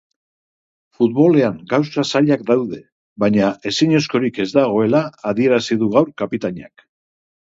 Futbolean gauza zailak daude, baina ezinezkorik ez dagoela adierazi du gaur kapitainak.